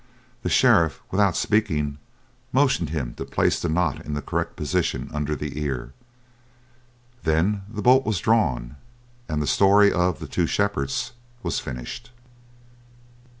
The sheriff, without speaking, motioned him to place the knot in the correct position under the ear. Then the bolt was drawn and the story of "The Two Shepherds" was finished.